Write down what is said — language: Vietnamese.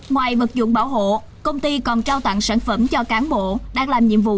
ngoài vật dụng bảo hộ công ty còn trao tặng sản phẩm cho cán bộ đang làm nhiệm vụ